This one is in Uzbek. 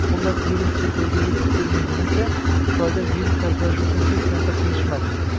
Xullas, virus chet elga yetib kelmagunicha, Xitoyda virus tarqalishi uchun hech narsa qilishmadi